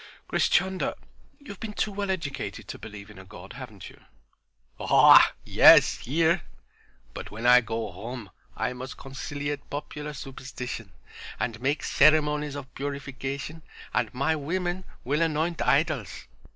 "Grish Chunder, you've been too well educated to believe in a God, haven't you?" "Oah, yes, here! But when I go home I must conciliate popular superstition, and make ceremonies of purification, and my women will anoint idols."